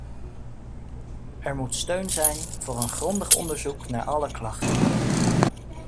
Er moet steun zijn voor een grondig onderzoek naar alle klachten.